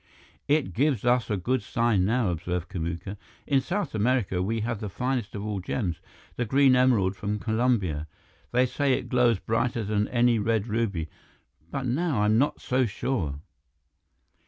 "It gives us a good sign now," observed Kamuka. "In South America, we have the finest of all gems, the green emerald from Colombia. They say it glows brighter than any red ruby, but now I am not so sure."